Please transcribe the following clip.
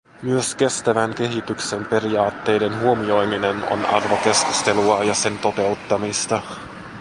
Myös kestävän kehityksen periaatteiden huomioiminen on arvokeskustelua ja sen toteuttamista.